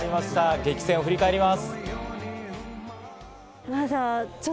激戦を振り返ります。